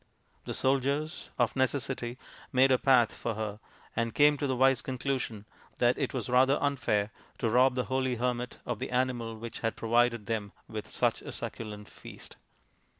The soldiers, of necessity, made a path for her, and came to the wise conclusion that it was rather unfair to rob the holy hermit of the animal which had provided them with such a succulent feast.